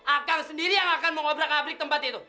akang sendiri yang akan mengobrak abrik tempat itu